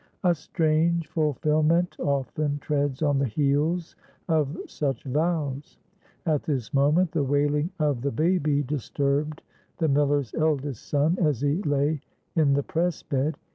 A strange fulfilment often treads on the heels of such vows. At this moment the wailing of the baby disturbed the miller's eldest son as he lay in the press bed.